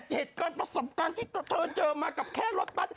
เหตุการณ์ประสบการณ์ที่เธอเจอมากับแค่รถบัตร